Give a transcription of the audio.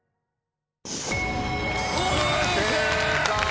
正解！